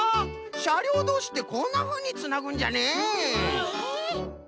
しゃりょうどうしってこんなふうにつなぐんじゃね。